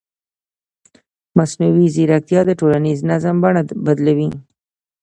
مصنوعي ځیرکتیا د ټولنیز نظم بڼه بدلوي.